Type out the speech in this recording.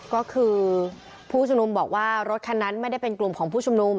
ก็คือผู้ชุมนุมบอกว่ารถคันนั้นไม่ได้เป็นกลุ่มของผู้ชุมนุม